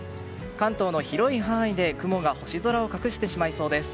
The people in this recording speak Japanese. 関東の広い範囲で雲が星空を隠してしまいそうです。